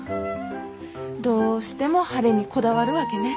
どうしても晴れにこだわるわけね。